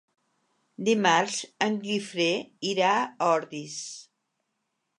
Dimarts en Guifré irà a Ordis.